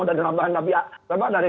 dari nama alisa itu banyak